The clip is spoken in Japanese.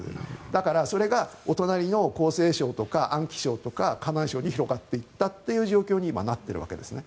だから、それがお隣の江西省とか安徽省とか河南省に広がっていったという状況に今、なっているわけですね。